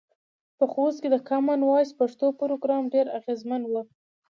په خوست کې د کامن وایس پښتو پروګرام ډیر اغیزمن و.